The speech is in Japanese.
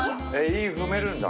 韻踏めるんだ。